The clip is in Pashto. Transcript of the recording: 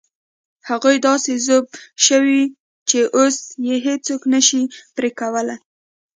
هغوی داسې ذوب شوي چې اوس یې هېڅوک نه شي پرې کولای.